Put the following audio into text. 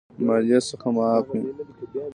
مالیې څخه معاف وي.